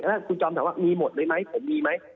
แล้วคุณจอมถามว่ามีหมดเลยไหมผมมีไหม